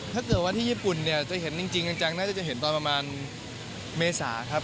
ถ้าเกิดว่าที่ญี่ปุ่นเนี่ยจะเห็นจริงจังน่าจะจะเห็นตอนประมาณเมษาครับ